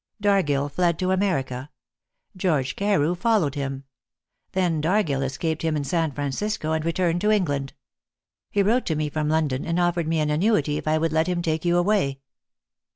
Dargill fled to America. George Carew followed him. Then Dargill escaped him in San Francisco, and returned to England. He wrote to me from London, and offered me an annuity if I would let him take you away."